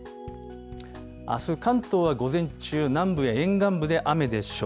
あす、関東は午前中、南部や沿岸部で雨でしょう。